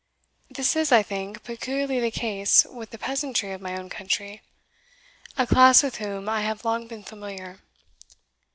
This is, I think, peculiarly the case with the peasantry of my own country, a class with whom I have long been familiar.